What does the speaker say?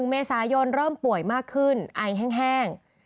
เมษายนเริ่มป่วยมากขึ้นไอแห้ง